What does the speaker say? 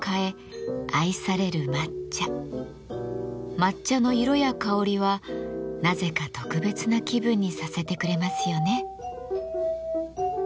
抹茶の色や香りはなぜか特別な気分にさせてくれますよね。